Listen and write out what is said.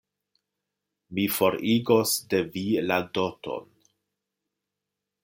Mi forigos de vi la doton.